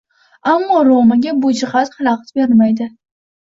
Ammo Romaga bu jihat xalaqit bermaydi.